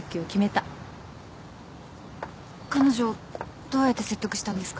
彼女をどうやって説得したんですか？